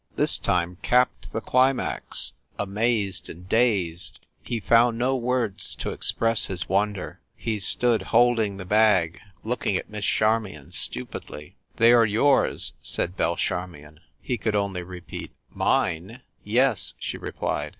This time capped the cli max. Amazed and dazed, he found no words to express his wonder. He stood, holding the bag, looking at Miss Charmion stupidly. "They are yours !" said Belle Charmion. He could only repeat, "Mine?" "Yes," she replied.